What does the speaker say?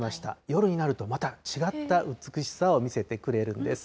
夜になると、また違った美しさを見せてくれるんです。